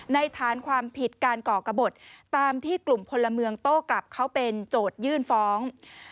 ฐานความผิดการก่อกระบดตามที่กลุ่มพลเมืองโต้กลับเขาเป็นโจทยื่นฟ้อง